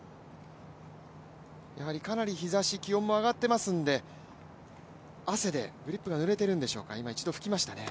かなり日ざし、気温も上がっていますので、汗でグリップがぬれているんでしょうかね。